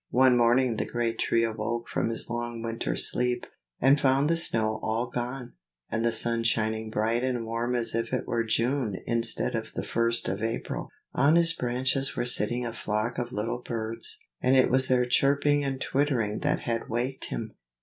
One morning the great Tree awoke from his long winter sleep, and found the snow all gone, and the sun shining bright and warm as if it were June instead of the first of April. On his branches were sitting a flock of little birds, and it was their chirping and twittering that had waked him.